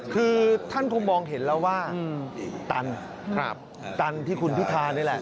คือท่านคงมองเห็นแล้วว่าตันตันที่คุณพิธานี่แหละ